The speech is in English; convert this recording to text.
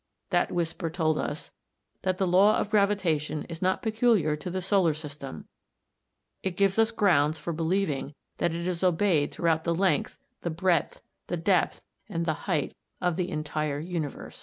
That whisper told us that the law of gravitation is not peculiar to the solar system. It gives us grounds for believing that it is obeyed throughout the length, the breadth, the depth, and the height of the entire universe."